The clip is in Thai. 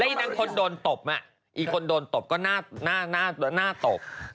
แล้วอีกนางคนโดนตบอ่ะอีกคนโดนตบก็หน้าตก